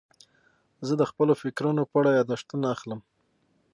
زه د خپلو فکرونو په اړه یاداښتونه اخلم.